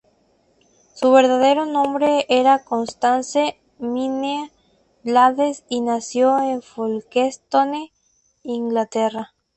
Su verdadero nombre era Constance Minnie Blades, y nació en Folkestone, Inglaterra.